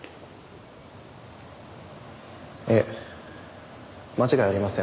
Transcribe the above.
ええ間違いありません。